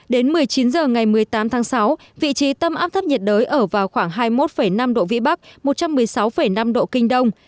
đến một mươi chín h ngày một mươi tám tháng sáu vị trí tâm áp thấp nhiệt đới ở vào khoảng hai mươi một năm độ vĩ bắc một trăm một mươi sáu năm độ kinh đông